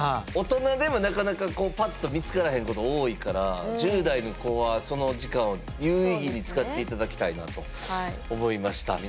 大人でもなかなかこうパッと見つからへんこと多いから１０代の子はその時間を有意義に使って頂きたいなと思いました。